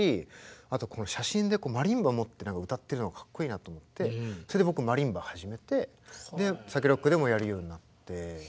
あとこの写真でマリンバ持って歌ってるのがかっこいいなと思ってそれで僕マリンバ始めてＳＡＫＥＲＯＣＫでもやるようになって。